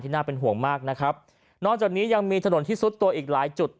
น่าเป็นห่วงมากนะครับนอกจากนี้ยังมีถนนที่ซุดตัวอีกหลายจุด